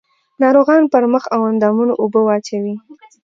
ناروغان پر مخ او اندامونو اوبه واچوي.